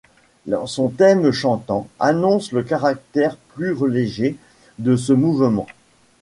Son thème chantant annonce le caractère plus léger de ce mouvement.